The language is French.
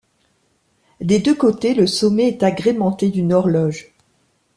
Des deux côtés, le sommet est agrémenté d'une horloge.